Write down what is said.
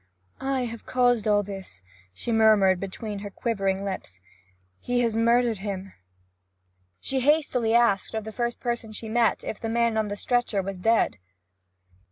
'I have caused all this,' she murmured between her quivering lips. 'He has murdered him!' Running forward to the door, she hastily asked of the first person she met if the man on the stretcher was dead.